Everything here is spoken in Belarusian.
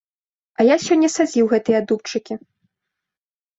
А я сёння садзіў гэтыя дубчыкі.